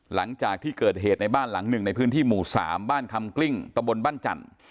หลังจากที่เกิดเหตุในบ้านหลังหนึ่งในพื้นที่หมู่๓บ้านคำกลิ้งตะบนบ้านจันทร์